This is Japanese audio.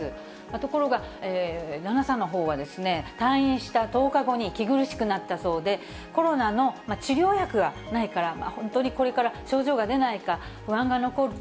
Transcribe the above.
ところが、旦那さんのほうは、退院した１０日後に息苦しくなったそうで、コロナの治療薬がないから、本当にこれから症状が出ないか、不安が残ると。